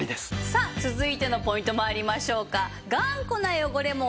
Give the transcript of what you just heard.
さあ続いてのポイント参りましょうか。